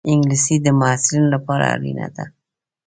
انګلیسي د محصلینو لپاره اړینه ده